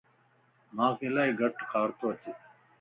مانک الائي گٽ کارتواچي